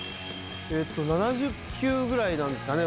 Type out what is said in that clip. ７０球ぐらいなんですかね